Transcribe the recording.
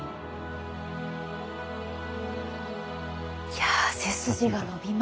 いや背筋が伸びますね。